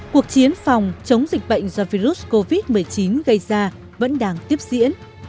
cuộc chiến phòng chống dịch bệnh do virus covid một mươi chín gây ra vẫn đang tiếp diễn